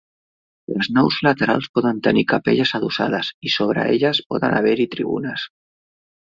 Les naus laterals poden tenir capelles adossades i sobre elles poden haver-hi tribunes.